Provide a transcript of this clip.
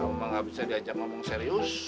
memang nggak bisa diajak ngomong serius